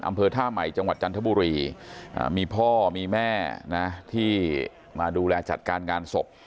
อำเภอท่าใหม่จังหวัดจันทบุรีมีพ่อมีแม่นะที่มาดูแลจัดการงานศพ